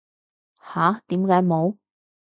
吓？點解冇